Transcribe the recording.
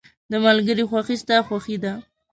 • د ملګري خوښي ستا خوښي ده.